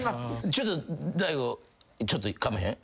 ちょっと大悟ちょっとかまへん？